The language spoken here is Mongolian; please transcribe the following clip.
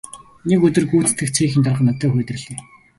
Нэг өдөр гүйцэтгэх цехийн дарга над дээр ирлээ.